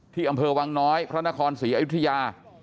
อำเภอวังน้อยพระนครศรีอยุธยา